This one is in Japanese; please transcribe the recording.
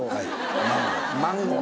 マンゴー。